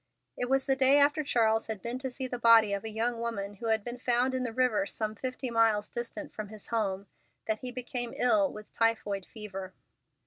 It was the day after Charles had been to see the body of a young woman who had been found in the river some fifty miles distant from his home, that he became ill with typhoid fever.